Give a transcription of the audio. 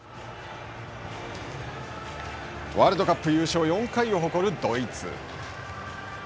ワールドカップ優勝４回を誇るドイツ。